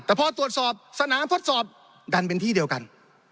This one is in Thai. แต่พอตรวจสอบสนามทดสอบดันเป็นที่เดียวกัน